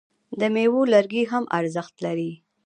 د میوو لرګي هم ارزښت لري.